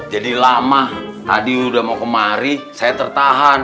jadi lama tadi udah mau kemari saya tertahan